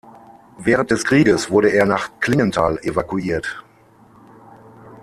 Während des Krieges wurde er nach Klingenthal evakuiert.